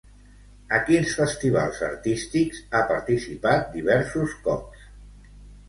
A quins festivals artístics ha participat diversos cops?